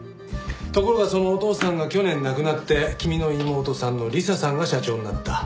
ところがそのお父さんが去年亡くなって君の妹さんの理彩さんが社長になった。